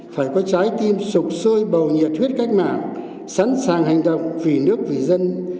phải có trái tim sụp sôi bầu nhiệt huyết cách mạng sẵn sàng hành động vì nước vì dân